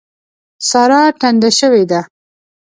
سارا ټنډه شوې ده.